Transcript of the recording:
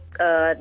dalam konteks itu